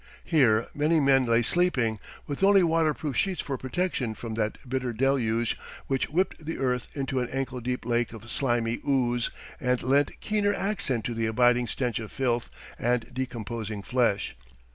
Here many men lay sleeping, with only waterproof sheets for protection from that bitter deluge which whipped the earth into an ankle deep lake of slimy ooze and lent keener accent to the abiding stench of filth and decomposing flesh.